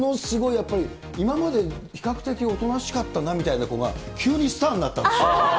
やっぱり今まで、比較的おとなしかったなみたいな子が、急にスターになったんですよ。